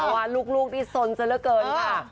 ว่าลูกที่สนเสียเยอะเกินค่ะ